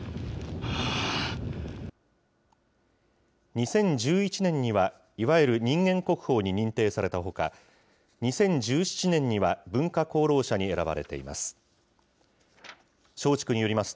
２０１１年には、いわゆる人間国宝に認定されたほか、２０１７年には文化功労者に選ばれています。